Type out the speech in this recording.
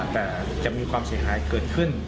แต่จะมีความเสียหายเกิดขึ้น